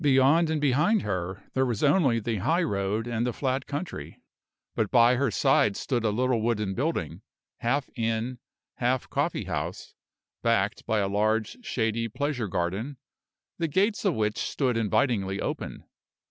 Beyond and behind her there was only the high road and the flat country; but by her side stood a little wooden building, half inn, half coffee house, backed by a large, shady pleasure garden, the gates of which stood invitingly open.